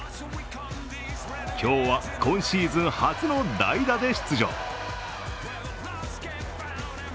今日は今シーズン初の代打で出場。